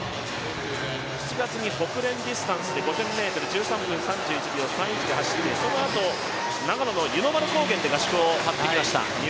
７月にホクレン・ディスタンスで１３分３１秒３１で走ってそのあと、長野の湯の丸高原で合宿を張ってきました。